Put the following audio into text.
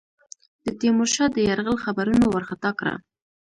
د تیمورشاه د یرغل خبرونو وارخطا کړه.